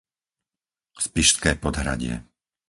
Spišské Podhradie